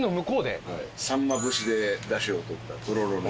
さんま節でだしを取ったとろろの。